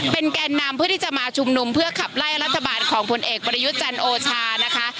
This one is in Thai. แกนนำเพื่อที่จะมาชุมนุมเพื่อขับไล่รัฐบาลของผลเอกประยุทธ์จันทร์โอชานะคะ